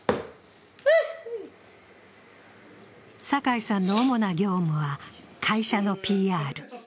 酒井さんの主な業務は会社のＰＲ。